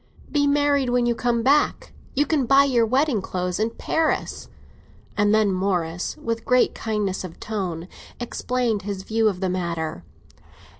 "Be married when you come back. You can buy your wedding clothes in Paris." And then Morris, with great kindness of tone, explained his view of the matter.